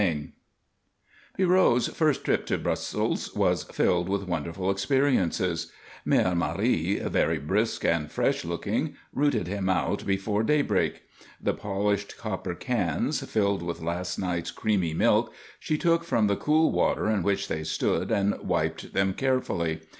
II Pierrot's first trip to Brussels was filled with wonderful experiences. Mère Marie, very brisk and fresh looking, routed him out before daybreak. The polished copper cans, filled with last night's creamy milk, she took from the cool water in which they stood and wiped them carefully.